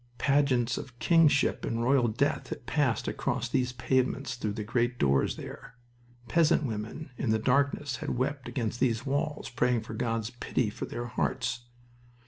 Pageants of kingship and royal death had passed across these pavements through the great doors there. Peasant women, in the darkness, had wept against these walls, praying for God's pity for their hearts.